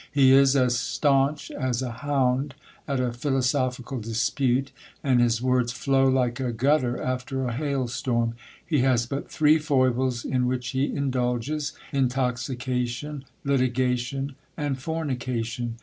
He is as staunch as a hound at a philosophical dispute, and his words flow like a gutter after a hail storm. He has but three foibles in which he indulges ; intoxication, litigation, and fornication.